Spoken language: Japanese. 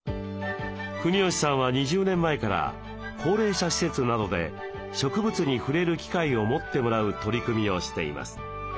国吉さんは２０年前から高齢者施設などで植物に触れる機会を持ってもらう取り組みをしています。